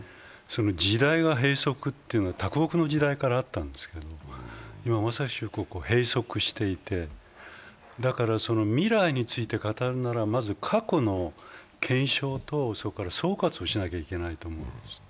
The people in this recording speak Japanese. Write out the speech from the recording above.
時代は閉塞というのは多国の時代からあったんですけど、今まさしく閉塞していて、だから未来について語るならまず過去の検証と総括をしなきゃいけないと思うんです。